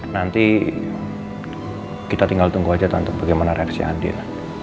nanti kita tinggal tunggu aja tante bagaimana reaksi andin